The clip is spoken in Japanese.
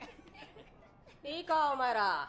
いいかお前ら。